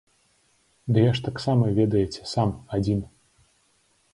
Ды я ж таксама, ведаеце, сам, адзін.